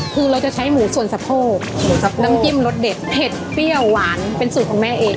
คือเราจะใช้หมูส่วนสะโพกหมูกับน้ำจิ้มรสเด็ดเผ็ดเปรี้ยวหวานเป็นสูตรของแม่เอง